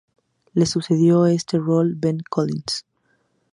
Le sucedió en ese rol Ben Collins.